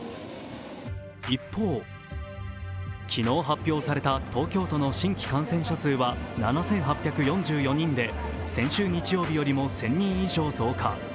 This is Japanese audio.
一方、昨日発表された東京都の新規感染者数は７８４４人で、先週日曜日よりも１０００人以上増加。